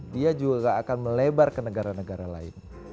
dia juga akan melebar ke negara negara lain